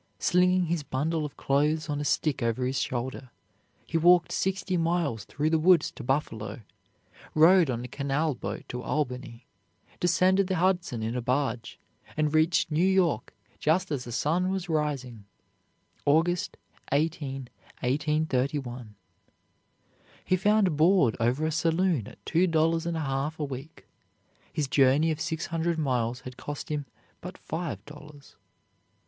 Slinging his bundle of clothes on a stick over his shoulder, he walked sixty miles through the woods to Buffalo, rode on a canal boat to Albany, descended the Hudson in a barge, and reached New York, just as the sun was rising, August 18, 1831. He found board over a saloon at two dollars and a half a week. His journey of six hundred miles had cost him but five dollars.